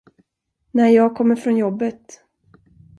När jag kommer från jobbet.